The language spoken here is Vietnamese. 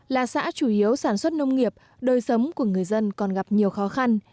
là xã chủ yếu sản xuất nông nghiệp đời sống của người dân còn gặp nhiều khó khăn